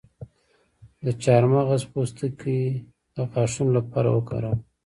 د چارمغز پوستکی د غاښونو لپاره وکاروئ